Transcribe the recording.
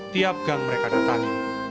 tiap gang mereka datang